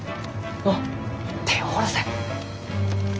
のう手を下ろせ。